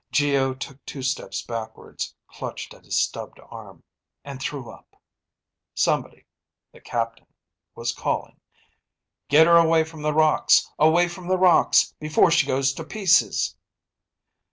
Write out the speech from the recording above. Geo took two steps backwards, clutched at his stubbed arm, and threw up. Somebody, the captain, was calling, "Get her away from the rocks. Away from the rocks, before she goes to pieces!"